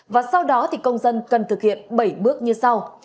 và sau đó thì công dân cần thực hiện bảy bước như sau